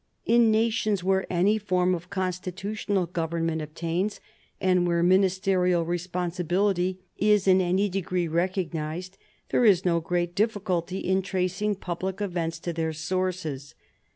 In nations where any form of constitutional government obtains, and where ministerial responsibility is in any degree recognised, there is no great difficulty in tracing public events to their sources.